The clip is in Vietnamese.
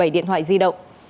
một mươi bảy điện thoại di động